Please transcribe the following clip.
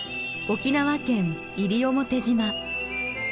沖縄県西表島。